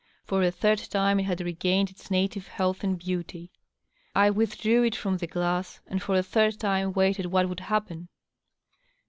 For a third time it had r^ained its native health and beauty. I withdrew it from the glass, and for a third time waited what would happen.